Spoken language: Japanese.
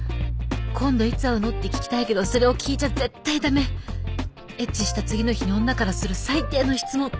今度いつ会うのって聞きたいけどそれをエッチした次の日に女からする最低の質問